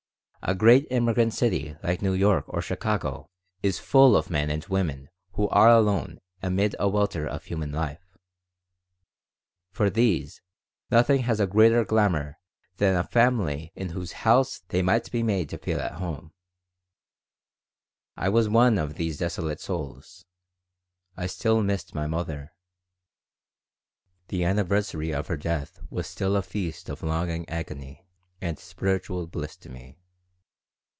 A great immigrant city like New York or Chicago is full of men and women who are alone amid a welter of human life. For these nothing has a greater glamour than a family in whose house they might be made to feel at home. I was one of these desolate souls. I still missed my mother. The anniversary of her death was still a feast of longing agony and spiritual bliss to me.